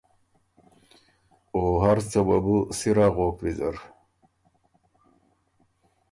او هر څه وه بُو سِر اغوک ویزر۔